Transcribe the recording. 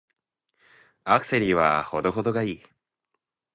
アクセサリーは程々が良い。